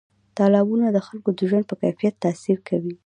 تالابونه د خلکو د ژوند په کیفیت تاثیر کوي.